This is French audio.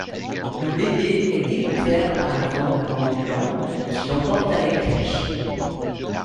Le bébé est découvert par un vendeur ambulant qui l'emporte avec lui.